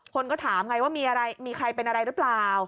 คนก็ถามไงว่ามีอะไรมีใครเป็นอะไรหรือเปล่า